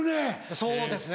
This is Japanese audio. そうですね